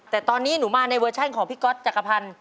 แต่ตอนนี้หนูมาในเวอร์ชันของพี่ก๊อตจักรพันธ์